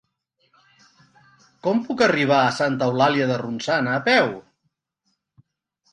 Com puc arribar a Santa Eulàlia de Ronçana a peu?